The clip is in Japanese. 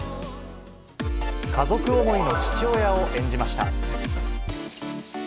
家族思いの父親を演じました。